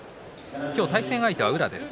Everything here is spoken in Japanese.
今日、対戦相手は宇良です。